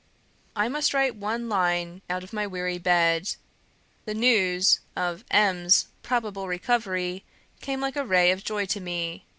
"I must write one line out of my weary bed. The news of M 's probable recovery came like a ray of joy to me.